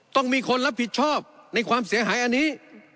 ต้องมีคนรับผิดชอบในความเสียหายอันนี้